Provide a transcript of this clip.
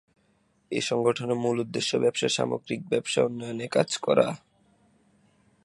এ সংগঠনের মূল উদ্দেশ্য ব্যবসার সামগ্রিক ব্যবসা উন্নয়নে কাজ করা।